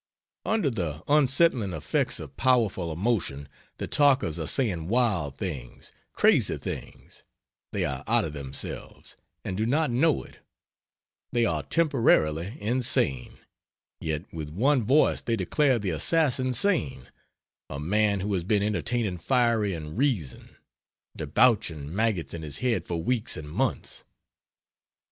Under the unsettling effects of powerful emotion the talkers are saying wild things, crazy things they are out of themselves, and do not know it; they are temporarily insane, yet with one voice they declare the assassin sane a man who has been entertaining fiery and reason debauching maggots in his head for weeks and months.